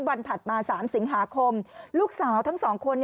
วันผัดมา๓สิงหาคมลูกสาวทั้ง๒คน